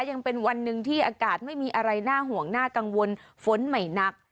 ยังเป็นวันหนึ่งที่อากาศไม่มีอะไรน่าห่วงน่ากังวลฝนใหม่หนัก